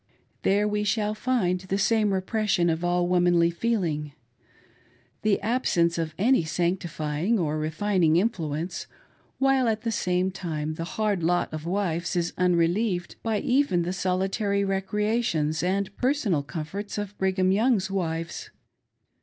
There we shall find the same repression of all womanly feding, the absence of any sancti fying or refining influence, while at the same time the hard lot of the wives is unrelieved by even the solitary recreations and the personal comforts of Brigham Young's wives.